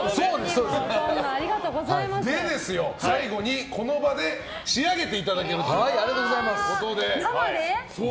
最後に、この場で仕上げていただけるということで。